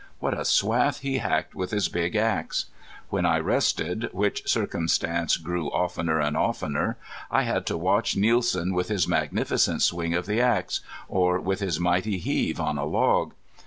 What a swath he hacked with his big axe! When I rested, which circumstance grew oftener and oftener, I had to watch Nielsen with his magnificent swing of the axe, or with his mighty heave on a log.